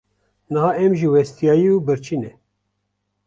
Niha em jî westiyayî û birçî ne.